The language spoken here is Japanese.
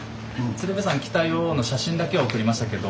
「鶴瓶さん来たよ」の写真だけは送りましたけど。